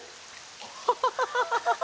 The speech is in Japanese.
ハハハハ！